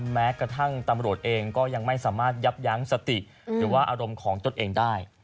แม้กระทั่งตำรวจเองก็ยังไม่สามารถยับยั้งสติหรือว่าอารมณ์ของตนเองได้